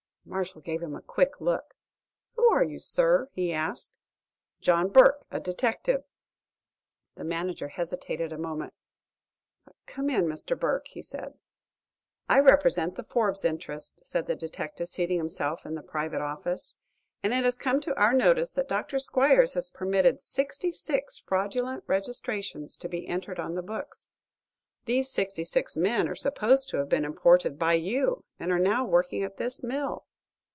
Marshall gave him a quick look. "Who are you, sir?" he asked. "John Burke, a detective." The manager hesitated a moment. "Come in, Mr. Burke," he said. "I represent the Forbes interests," said the detective, seating himself in the private office, "and it has come to our notice that Dr. Squiers has permitted sixty six fraudulent registrations to be entered on the books. These sixty six men are supposed to have been imported by you and are now working at this mill."